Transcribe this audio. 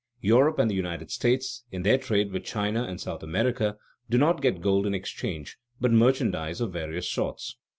Europe and the United States, in their trade with China and South America, do not get gold in exchange, but merchandise of various sorts.